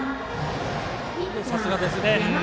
さすがですね。